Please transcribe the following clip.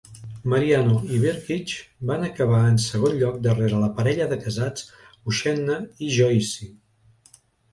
Mariano i Brkich van acabar en segon lloc darrere la parella de casats, Uchenna i Joyce.